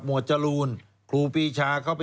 สวัสดีครับ